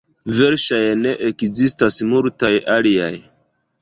Verŝajne ekzistas multaj aliaj.